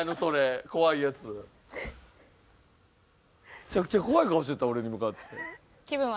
めちゃくちゃ怖い顔してた俺に向かって。